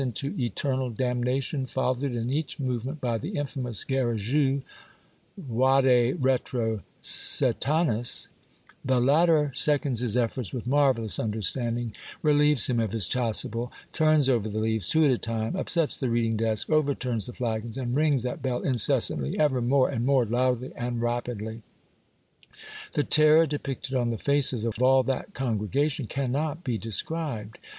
into eternal damnation, followed in each movement by the infamous Garrigou {yade retro, Satanas) ; the latter seconds his efforts with marvellous understanding, relieves him of his chasuble, turns over the leaves, two at a time, upsets the read ing desk, overturns the flagons, and rings that bell incessantly, ever more and more loudly and rapidly. The terror depicted on the faces of all that con gregation cannot be described